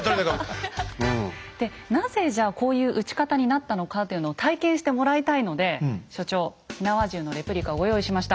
でなぜじゃこういう撃ち方になったのかというのを体験してもらいたいので所長火縄銃のレプリカをご用意しました。